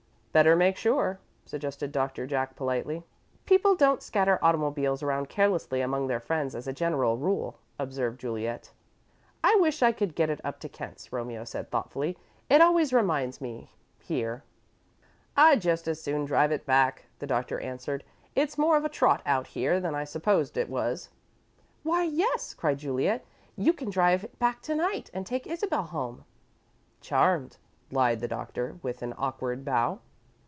"Better make sure," suggested Doctor Jack, politely. "People don't scatter automobiles around carelessly among their friends, as a general rule," observed Juliet. "I wish I could get it up to Kent's," Romeo said, thoughtfully. "It always reminds me here." "I'd just as soon drive it back," the Doctor answered. "It's more of a trot out here than I supposed it was." "Why, yes," cried Juliet. "You can drive it back to night and take Isabel home!" "Charmed," lied the Doctor, with an awkward bow.